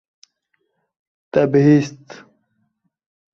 Te bihîst.